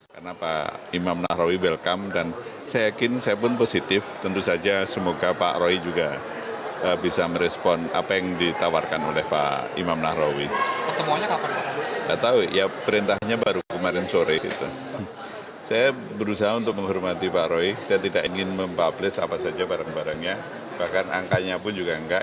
kemenpora ingin membublish apa saja barang barangnya bahkan angkanya pun juga enggak